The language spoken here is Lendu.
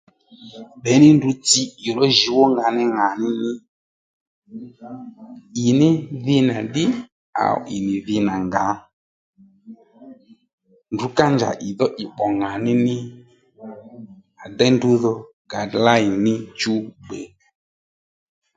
Ndeyní ndrǔ tsǐy ì ró jǔw ónga ní ŋàní ní ì ní dhi nà ddí áw ì nì dhi nà ngǎ ndrǔ ká njà ì dhó ì pbò ŋàní ní à déy ndrǔ dho gayd lin níchú gbè